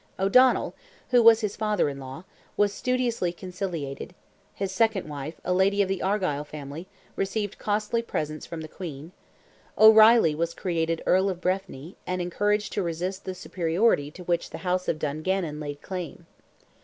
O'Donnell, who was his father in law, was studiously conciliated; his second wife, a lady of the Argyle family, received costly presents from the Queen; O'Reilly was created Earl of Breffni, and encouraged to resist the superiority to which the house of Dungannon laid claim.